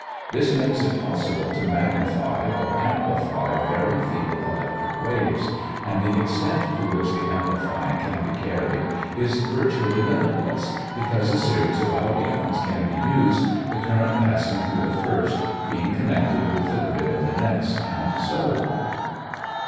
This makes it possible to magnify or amplify very feeble electric waves, and the extent to which the amplifying can be carried is virtually limitless, because a series of audions can be used, the current passing through the first being connected with the grid of the next, and so on.